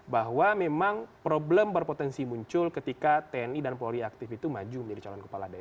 bahwa memang problem berpotensi muncul ketika tni dan polri aktif itu maju menjadi calon kepala daerah